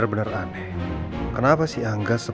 harus berpikir dil remembering secara negatif